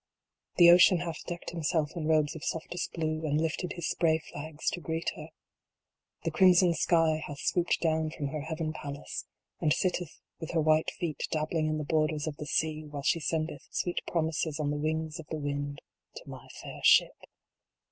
The ocean hath deck d himself in robes of softest blue, and lifted his spray flags to greet her. 36 THE SHIP THAT WENT DOWN. 37 The crimson sky hath swooped down from her Heaven Palace, and sitteth with her white feet dabbling in the borders of the sea, while she sendeth sweet promises on the wings of the wind to my fair Ship.